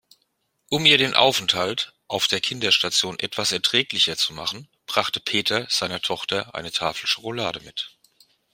Um ihr den Aufenthalt auf der Kinderstation etwas erträglicher zu machen, brachte Peter seiner Tochter eine Tafel Schokolade mit.